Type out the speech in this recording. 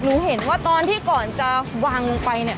หนูเห็นว่าตอนที่ก่อนจะวางไป